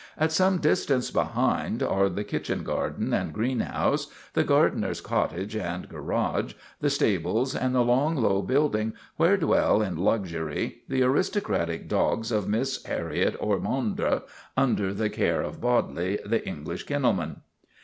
At some distance behind are the kitchen garden and greenhouse, the gardener's cottage and garage, the stables, and the long, low building where dwell in luxury the aristocratic dogs of Miss Harriet Or monde under the care of Bodley, the English kennel man.